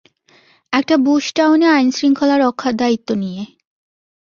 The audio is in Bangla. একটা বুশটাউনে আইনশৃঙ্খলা রক্ষার দায়িত্ব নিয়ে।